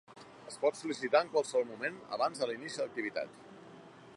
Es pot sol·licitar en qualsevol moment abans de l'inici de l'activitat.